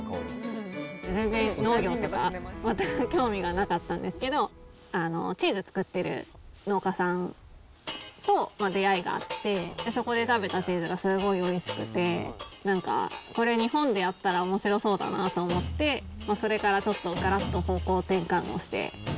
全然農業とか、全く興味がなかったんですけど、チーズを作っている農家さんと出会いがあって、そこで食べたチーズがすごいおいしくて、なんかこれ日本でやったらおもしろそうだなと思って、それからちょっとがらっと方向転換をして。